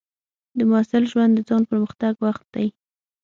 د محصل ژوند د ځان پرمختګ وخت دی.